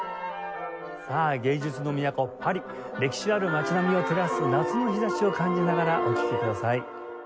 歴史ある街並みを照らす夏の日差しを感じながらお聴きください。